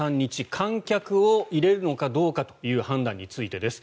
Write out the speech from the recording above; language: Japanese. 観客を入れるのかどうかという判断についてです。